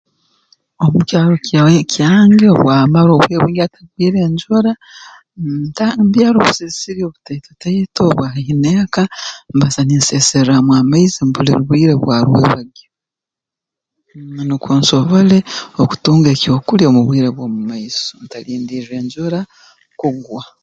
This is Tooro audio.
Omu kyaro kya kyange obu amara obwire bwingi atagwire njura mmh nta mbyara obusiri siri obutaito taito obwa haihi n'eka mbaasa ninseserraamu amaizi mu buli bwire bwa rwebagyo nukwo nsobole okutunga ekyokulya omu bwire bw'omu maiso ntalindirra enjura kugwa